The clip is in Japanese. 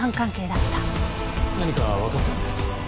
何かわかったんですか？